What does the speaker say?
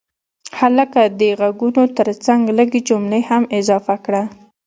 هلکه د غږونو ترڅنګ لږ جملې هم اضافه کړه.